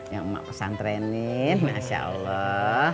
ya mak pesantrenin masya allah